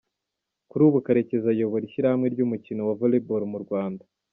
Kuri ubu Karekezi ayobora Ishyirahamwe ry’Umukino wa Volleyball mu Rwanda.